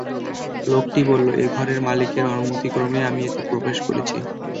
লোকটি বলল, এ ঘরের মালিকের অনুমতিক্রমেই আমি এতে প্রবেশ করেছি।